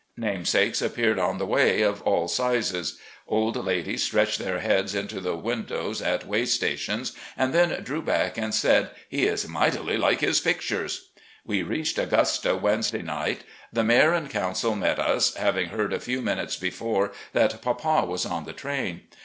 Namesakes appeared on the way, of all sizes. Old ladies stretched their heads into the windows at way stations, and then drew back and said ' He is mightily like his pictmes.' We reached Augusta Wednesday night. The mayor and council met us, having heard a few minutes before that papa was on the train.